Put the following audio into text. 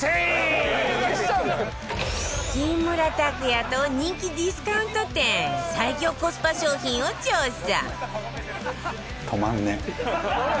木村拓哉と人気ディスカウント店最強コスパ商品を調査